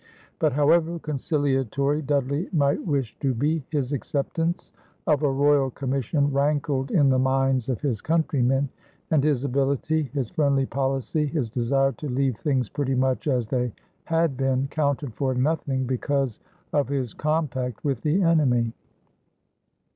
But however conciliatory Dudley might wish to be, his acceptance of a royal commission rankled in the minds of his countrymen; and his ability, his friendly policy, his desire to leave things pretty much as they had been, counted for nothing because of his compact with the enemy.